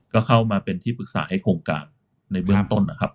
ก็เข้ามาเป็นที่ปรึกษาให้โครงการในเบื้องต้นนะครับ